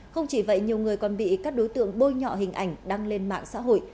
không chỉ vậy nhiều người còn bị các đối tượng bôi nhọ hình ảnh đăng lên mạng xã hội